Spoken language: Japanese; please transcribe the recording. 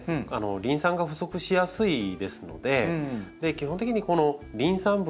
リン酸が不足しやすいですので基本的にリン酸分の多い肥料。